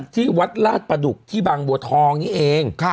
ที่วัดลาดประดุกที่บางบัวทองนี่เอง